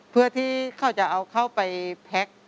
เพื่อที่เขาจะเอาเข้าไปแพ็ค